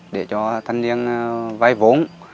để cho thanh niên vây vốn